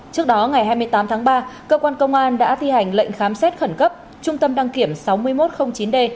trước đó ngày hai mươi tám tháng ba cơ quan công an đã thi hành lệnh khám xét khẩn cấp trung tâm đăng kiểm sáu nghìn một trăm linh chín d